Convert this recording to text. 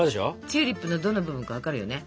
チューリップのどの部分か分かるよね？